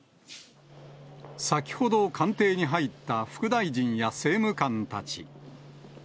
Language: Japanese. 先ほど、官邸に入った副大臣や政務官たち。